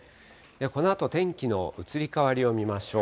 このあと、天気の移り変わりを見ましょう。